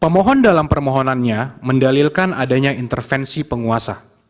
pemohon dalam permohonannya mendalilkan adanya intervensi penguasa